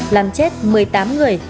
làm chết một mươi tám người